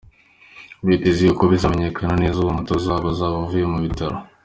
Byitezwe ko bizamenyekana neza ubwo umutoza wabo azaba avuye mu bitaro.